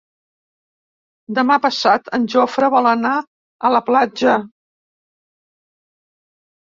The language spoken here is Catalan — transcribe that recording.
Demà passat en Jofre vol anar a la platja.